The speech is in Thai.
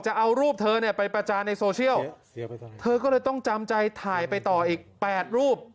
จะเอารูปเธอเนี่ยไปประจานในโซเชียลเธอก็เลยต้องจำใจถ่ายไปต่ออีก๘รูป